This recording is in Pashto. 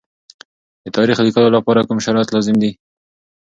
د تاریخ لیکلو لپاره کوم شرایط لازم دي؟